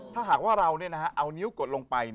ถ้าหากว่าเราเอานิ้วกดลงไป